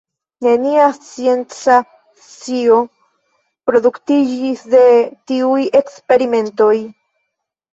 Nenia scienca scio produktiĝis de tiuj eksperimentoj.